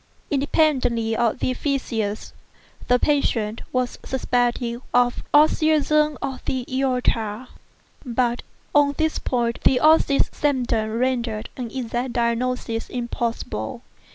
Independently of the phthisis, the patient was suspected of aneurism of the aorta; but on this point the osseous symptoms rendered an exact diagnosis impossible.